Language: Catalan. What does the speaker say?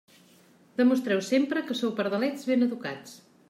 Demostreu sempre que sou pardalets ben educats.